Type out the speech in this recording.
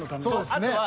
そうですね。